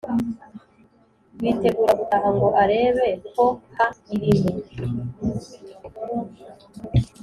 bitegura gutaha ngo arebe ko hairimo